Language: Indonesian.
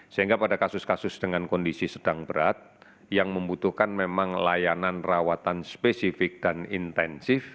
sehingga pada kasus kasus dengan kondisi sedang berat yang membutuhkan memang layanan rawatan spesifik dan intensif